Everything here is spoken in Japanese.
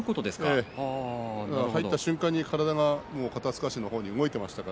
入った瞬間に体が肩すかしの方に動いていました。